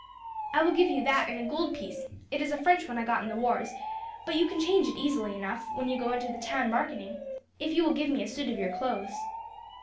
I will give you that and a gold piece it is a French one I got in the wars, but you can change it easily enough, when you go into the town marketing if you will give me a suit of your clothes.'